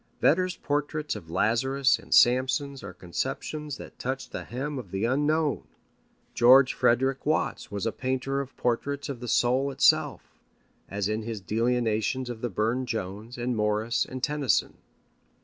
Vedder's portraits of Lazarus and Samson are conceptions that touch the hem of the unknown. George Frederick Watts was a painter of portraits of the soul itself, as in his delineations of Burne Jones and Morris and Tennyson.